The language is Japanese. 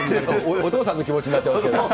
お父さんの気持ちになってますけど。